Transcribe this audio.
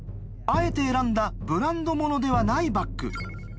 あえて選んだブランド物ではないバッグ。